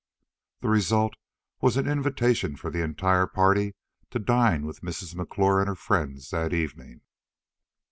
The result was an invitation for the entire party to dine with Mrs. McClure and her friends that evening.